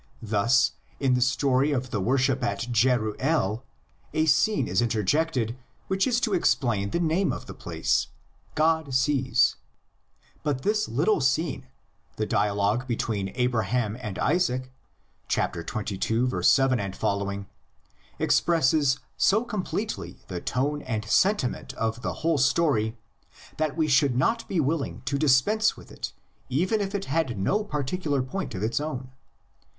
Thus in the story of the worship at Jeruel a scene is interjected which is to explain the name of the place, "God sees"; but this little scene, the dialogue between Abraham and Isaac, xxii. 7 f., expresses so completely the tone and sentiment of the whole story that we should not be willing to dispense with it even if it had no partic ular point of its own.